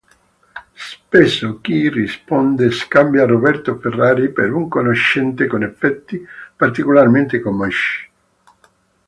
Spesso chi risponde scambia Roberto Ferrari per un conoscente con effetti particolarmente comici.